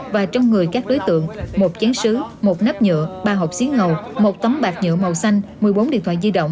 và trong người các đối tượng một chán sứ một nắp nhựa ba hộp xí ngầu một tấm bạt nhựa màu xanh một mươi bốn điện thoại di động